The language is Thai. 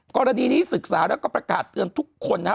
กรณีนี้ศึกษาแล้วก็ประกาศเตือนทุกคนนะฮะ